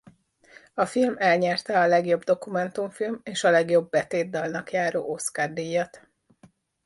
A film elnyerte a legjobb dokumentumfilm és a legjobb betétdalnak járó Oscar-díjat.